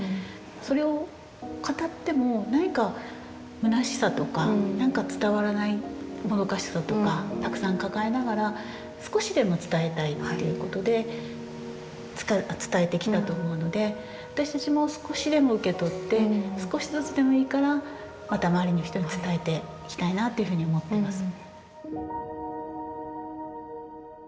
それを語っても何かむなしさとか何か伝わらないもどかしさとかたくさん抱えながら少しでも伝えたいということで伝えてきたと思うので私たちも少しでも受け取って少しずつでもいいからまた周りの人に伝えていきたいなっていうふうに思ってます。